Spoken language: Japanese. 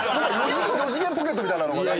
四次元ポケットみたいなのがないと。